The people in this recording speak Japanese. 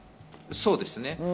そうですね。